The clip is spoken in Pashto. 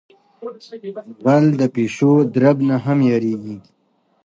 غل د پیشو درب نہ ھم یریگی.